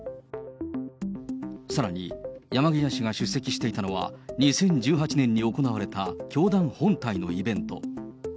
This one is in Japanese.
さらに山際氏が出席していたのは、２０１８年に行われた教団本体のイベント。